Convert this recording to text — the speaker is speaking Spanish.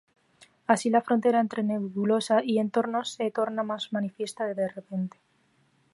Así la frontera entre nebulosa y entorno se torna más manifiesta de repente.